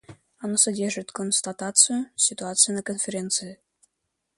Оно содержит констатацию ситуации на Конференции.